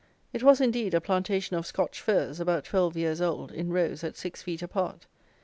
It was, indeed, a plantation of Scotch firs, about twelve years old, in rows, at six feet apart.